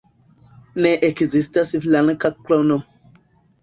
Ne ekzistas flanka krono.